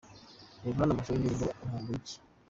Reba hano amashusho y'indirimbo 'Ukumbuye iki'.